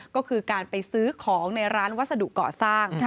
ก็คือการไปซื้อของในร้านวัสดุก่อสร้าง